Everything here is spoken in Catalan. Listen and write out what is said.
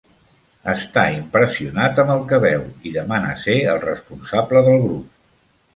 Està impressionat amb el que veu i demana ser el responsable del grup.